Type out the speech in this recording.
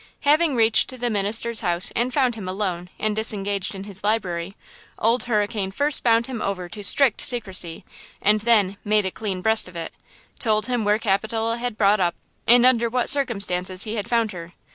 Having reached the minister's house and found him alone and disengaged in his library, Old Hurricane first bound him over to strict secrecy and then "made a clean breast of it;" told him where Capitola had brought up and under what circumstances he had found her.